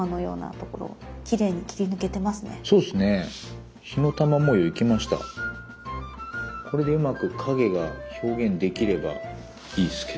これでうまく影が表現できればいいっすけど。